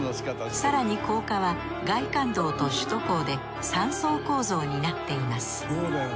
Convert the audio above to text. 更に高架は外環道と首都高で３層構造になっています。